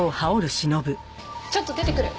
ちょっと出てくる。